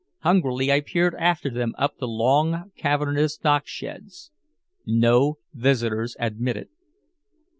Hungrily I peered after them up the long cavernous docksheds. "No Visitors Admitted."